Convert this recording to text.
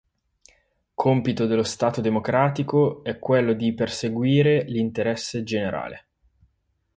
Compito dello Stato democratico è quello di perseguire l'interesse generale.